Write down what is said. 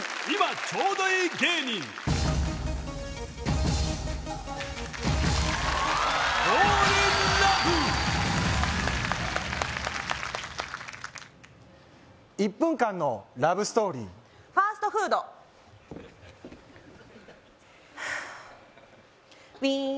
今ちょうどいい芸人１分間のラブストーリー「ファストフード」はあ